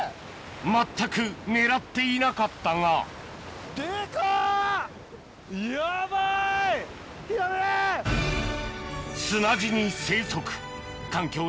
全く狙っていなかったが砂地に生息